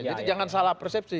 jadi jangan salah persepsi